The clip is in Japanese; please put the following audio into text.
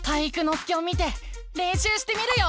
介を見てれんしゅうしてみるよ！